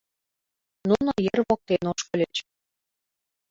Нуно ер воктен ошкыльыч.